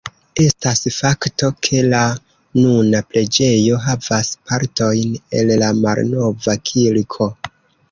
Estas fakto, ke la nuna preĝejo havas partojn el la malnova kirko.